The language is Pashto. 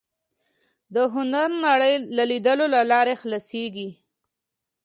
د هنر نړۍ د لیدلو له لارې خلاصېږي